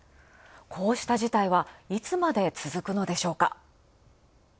こうした事態はいつまで続くのでしょうか。